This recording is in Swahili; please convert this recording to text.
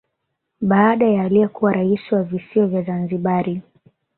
Baada ya aliyekuwa rais wa Visiwa vya Zanzibari